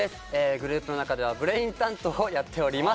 グループの中ではブレイン担当をやっております